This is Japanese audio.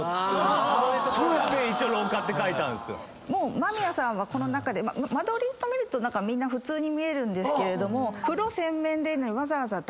間宮さんは間取りと見ると普通に見えるんですけれども。